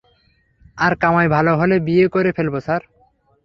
আর কামাই ভালো হলে, বিয়ে করে ফেলবো, স্যার।